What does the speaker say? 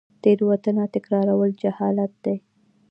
تیروتنه تکرارول جهالت دی